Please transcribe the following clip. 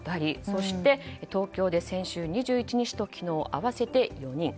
そして東京で先週２１日と、昨日合わせて４人。